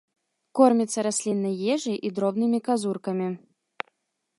Корміцца расліннай ежай і дробнымі казуркамі.